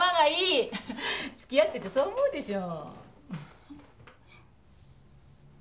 付き合っててそう思うでしょ？